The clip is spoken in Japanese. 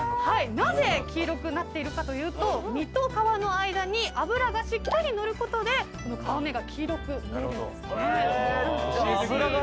なぜ黄色くなっているかというと身と皮の間に脂がしっかり乗ることで皮目が黄色く見えるんですね。